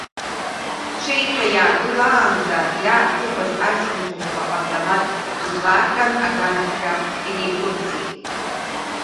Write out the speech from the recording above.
Ҽеишәа иаагылаанӡа иааҭыԥаз аҷкәынцәа жәабаҟа автомат лыбаарган аганахьшәа инеиқәрҵеит.